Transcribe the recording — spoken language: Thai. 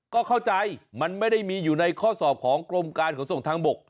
ก็เข้าใจมันไม่ได้มีอยู่ในข้อสอบของกรมการขนส่งทางบก